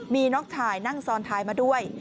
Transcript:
มีน้องชายนั่งซ้อนท้ายมาด้วย